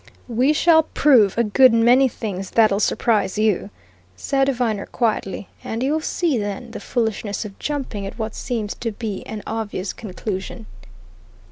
"We shall prove a good many things that'll surprise you," said Viner quietly. "And you'll see, then, the foolishness of jumping at what seems to be an obvious conclusion."